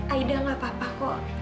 aida gak apa apa kok